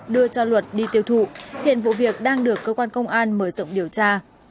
đưa cho luật đi tiêu thụ hiện vụ việc đang được cơ quan công an mở rộng điều tra